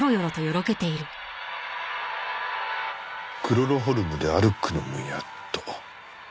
クロロホルムで歩くのもやっと。